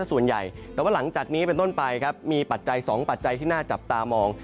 ส่วนใหญ่แต่ว่าหลังจากนี้เป็นต้นไปครับมีปัจจัย๒ปัจจัยที่น่าจับตามอง